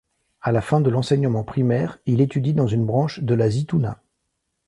À la fin de l'enseignement primaire, il étudie dans une branche de la Zitouna.